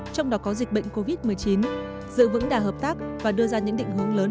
trong đó có dịch bệnh covid một mươi chín giữ vững đà hợp tác và đưa ra những định hướng lớn